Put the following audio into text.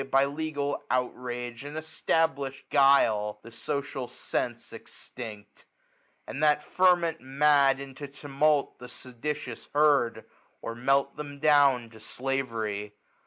By legal outrage and e&tablish'd guile, The social sense extinct; a^d that ferment Mad into tumult the seditious herd^ Or melt {hem down to slavery.